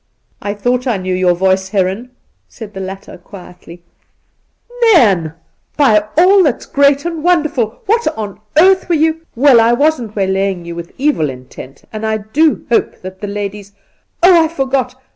' I thought I knew your voice, Heron!' said the latter quietly. Induna Nairn 105 • Nairn ! By all that's great and wonderful ! What on earth were you '' Well, I wasn't waylaying you with evU intent, and I do hope that the ladies '' Oh, I forgot.